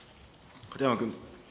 片山君。